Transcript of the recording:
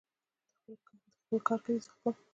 دی خپل کار کوي، زه خپل.